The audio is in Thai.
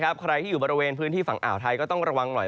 ใครที่อยู่บริเวณพื้นที่ฝั่งอ่าวไทยก็ต้องระวังหน่อย